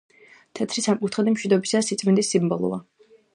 თეთრი სამკუთხედი მშვიდობისა და სიწმინდის სიმბოლოა.